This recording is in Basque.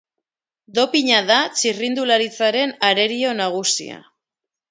Dopina da txirrindularitzaren arerio nagusia.